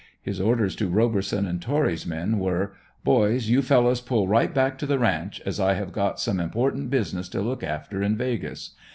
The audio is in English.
His orders to Roberson and Torry's men were: "Boys, you fellows pull right back to the ranch, as I have got some important business to look after in 'Vegas.'